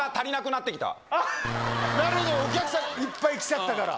なるほど、お客さんいっぱい来ちゃったから。